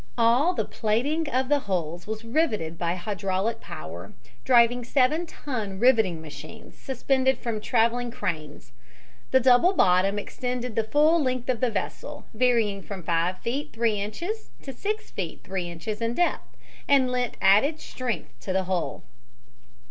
All the plating of the hulls was riveted by hydraulic power, driving seven ton riveting machines, suspended from traveling cranes. The double bottom extended the full length of the vessel, varying from 5 feet 3 inches to 6 feet 3 inches in depth, and lent added strength to the hull.